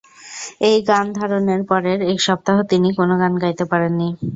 এই গান ধারণের পরের এক সপ্তাহ তিনি কোন গান গাইতে পারেননি।